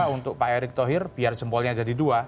untuk pak erick thohir biar jempolnya jadi dua